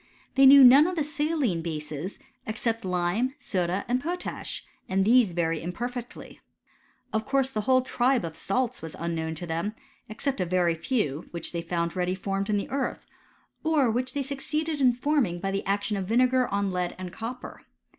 They knew none of the saline bases, except lime, soda, and potaab^ and these very imperfectly. Of course the wholn tribe of salts was unknown to them, except a very few^ which they found ready formed in the earth, or which • Pliim'Hial.TSat. 11.63. CHEMISTRY OF THE ANCIBKTS. 103 they succeeded in forming by the action of vinegar on lead and copper.